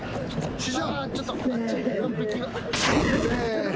師匠！